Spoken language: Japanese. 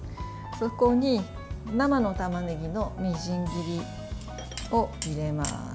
そこに生のたまねぎのみじん切りを入れます。